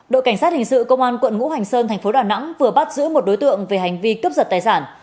đội cảnh sát hình sự công an quận ngũ hành sơn thành phố đà nẵng vừa bắt giữ một đối tượng về hành vi cướp giật tài sản